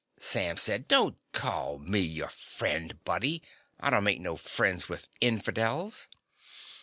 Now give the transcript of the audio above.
Sam said. "Don't call me your friend, buddy. I make no friends with infidels."